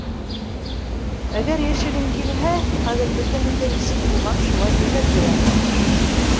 Әгәр йәшәгең килһә, хәҙер бөтәһен дә нисек булған шулай һөйләп бирәһең!